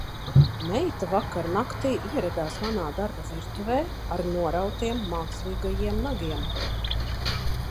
Meita vakar naktī ieradās manā darba virtuvē ar norautiem mākslīgajiem nagiem.